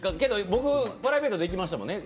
僕、プライベートで行きましたもんね。